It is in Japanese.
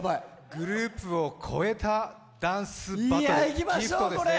グループを超えたダンスバトル、ＧＩＦＴですね。